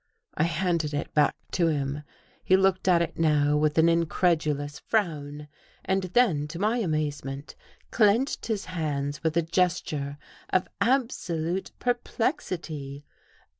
I handed it back to him. He looked at it now with an incredulous frown. And then, to my amazement, clenched his hands with a gesture of absolute perplexity.